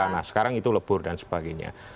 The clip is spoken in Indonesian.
nah sekarang itu lebur dan sebagainya